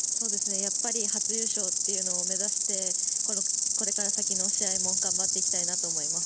やっぱり初優勝というのを目指してこれから先の試合も頑張っていきたいなと思います。